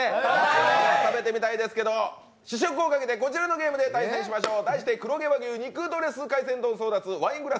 もちろん、食べてみたいですけど試食をかけてこちらのゲームで対戦しましょう。